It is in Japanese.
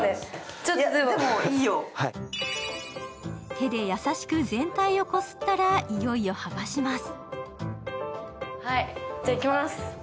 手で優しく全体をこすったら、いよいよ剥がします。